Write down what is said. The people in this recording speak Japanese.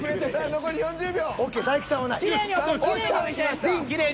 残り３０秒。